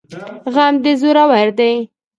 غم دي زورور دی